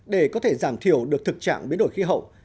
để có thể giảm thiểu được thực trạng biến đổi khí hậu